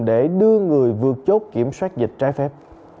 để đưa người vượt chốt kiểm soát dịch trái phép